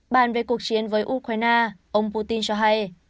bàn về cuộc chiến với ukraine ông putin cho hay